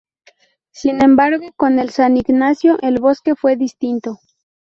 Sin embargo, con el San Ignacio El Bosque fue distinto.